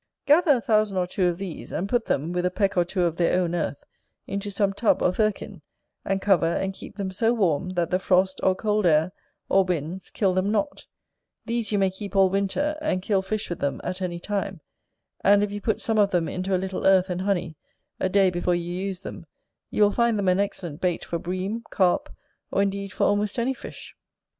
Gather a thousand or two of these, and put them, with a peck or two of their own earth, into some tub or firkin, and cover and keep them so warm that the frost or cold air, or winds, kill them not: these you may keep all winter, and kill fish with them at any time; and if you put some of them into a little earth and honey, a day before you use them, you will find them an excellent bait for Bream, Carp, or indeed for almost any fish.